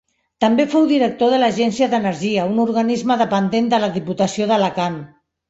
També fou director de l'Agència d'Energia, un organisme dependent de la Diputació d'Alacant.